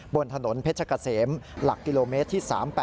บนถนนเพชรเกษมหลักกิโลเมตรที่๓๘